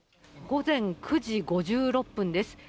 午前９時５６分です。